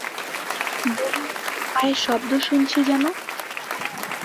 বললে, পায়ের শব্দ শুনছি যেন।